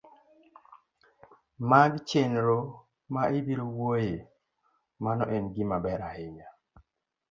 mag chenro ma ibiro wuoye, mano en gimaber ahinya